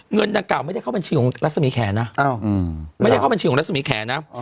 เงินดังกล่าไม่ได้เข้าบัญชีของรัศมีแขนนะไม่ได้เข้าบัญชีของรัศมีแขนนะ